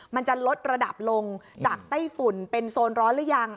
มันจะลดระดับลงจากไต้ฝุ่นเป็นโซนร้อนหรือยัง